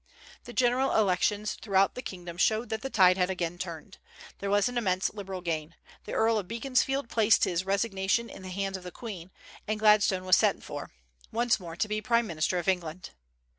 The general elections throughout the kingdom showed that the tide had again turned. There was an immense Liberal gain. The Earl of Beaconsfield placed his resignation in the hands of the Queen, and Gladstone was sent for, once more to be prime minister of England.